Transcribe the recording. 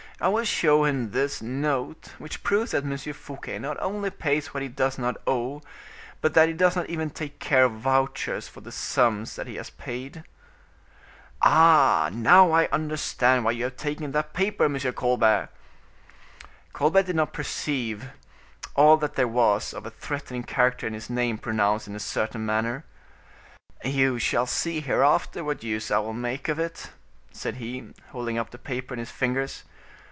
I will show him this note, which proves that M. Fouquet not only pays what he does not owe, but that he does not even take care of vouchers for the sums that he has paid." "Ah! now I understand why you have taken that paper, M. Colbert!" Colbert did not perceive all that there was of a threatening character in his name pronounced in a certain manner. "You shall see hereafter what use I will make of it," said he, holding up the paper in his fingers.